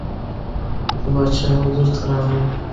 د باچا حضور ته راغلل.